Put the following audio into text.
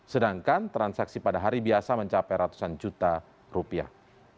sedangkan transaksi pada hari biasa mencapai ratusan juta rupiah